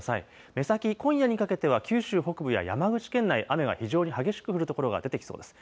目先、今夜にかけては九州北部や山口県内、雨が非常に激しく降る所が出てきそうです。